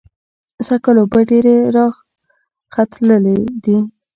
سږکال اوبه ډېرې راخلتلې دي.